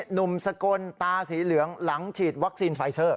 หนุ่มสกลตาสีเหลืองหลังฉีดวัคซีนไฟเซอร์